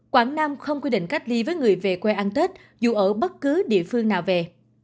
quảng nam không quy định cách ly với người về quê ăn tết dù ở bất cứ địa phương nào về